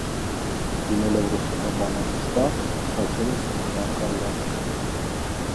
Լինելով ռուսական բանակի սպա՝ ստացել է սեփական կալվածք։